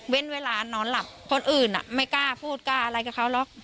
เวลานอนหลับคนอื่นไม่กล้าพูดกล้าอะไรกับเขาหรอก